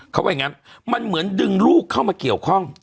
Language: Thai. เขาว่าอย่างนั้นมันเหมือนดึงลูกเข้ามาเกี่ยวข้อง